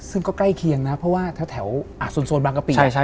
ซึ่งก็ใกล้เคียงนะเพราะว่าถ้าแถวส่วนบางปีน่ะ